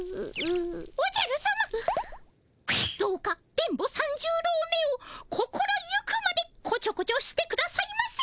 おじゃるさまどうか電ボ三十郎めを心行くまでこちょこちょしてくださいませ！